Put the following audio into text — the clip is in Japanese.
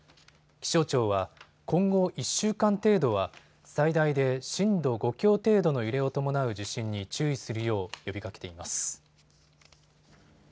気象庁は今後、１週間程度は最大で震度５強程度の揺れを伴う地震に注意するよう呼びかけています。